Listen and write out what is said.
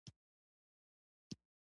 وخت تېرېدو سره تراکم وده وکړه.